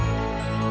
aku sudah tahu